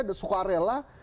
dan suka rela